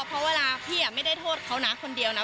เพราะเวลาพี่ไม่ได้โทษเขานะคนเดียวนะ